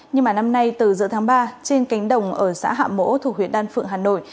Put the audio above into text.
nhưng mà năm nay từ giữa tháng ba trên cánh đồng ở xã hạ mỗ thuộc huyện đan phượng hà nội